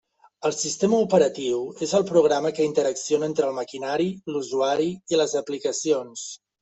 El sistema operatiu és el programa que interacciona entre el maquinari, l'usuari i les aplicacions.